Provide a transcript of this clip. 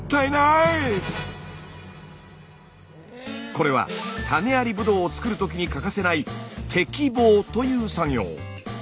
これは種ありブドウを作る時に欠かせない摘房という作業。